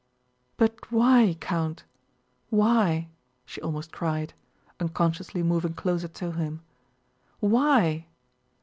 "But why, Count, why?" she almost cried, unconsciously moving closer to him. "Why?